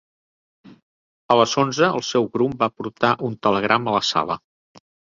A les onze, el seu grum va portar un telegrama a la sala.